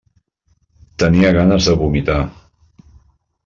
Tenia ganes de vomitar.